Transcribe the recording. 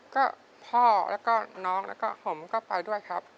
ก็พ่อแล้วก็น้องแล้วก็ผมก็ไปด้วยครับ